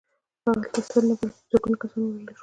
هلته سل نه بلکې په زرګونه کسان ووژل شول